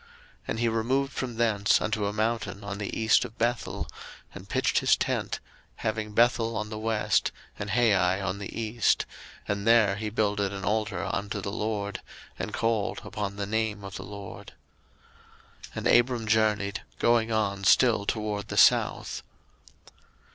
01:012:008 And he removed from thence unto a mountain on the east of Bethel, and pitched his tent, having Bethel on the west, and Hai on the east: and there he builded an altar unto the LORD, and called upon the name of the LORD. 01:012:009 And Abram journeyed, going on still toward the south.